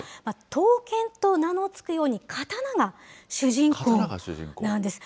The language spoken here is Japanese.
刀剣と名の付くように、刀が主人公なんです。